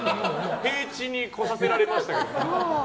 平地に来させられましたけどって。